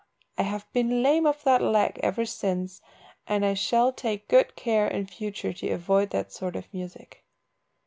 I have been lame of that leg ever since, and I shall take good care in future to avoid that sort of music."